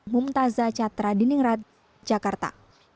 mumtazah chathra diningrat jakarta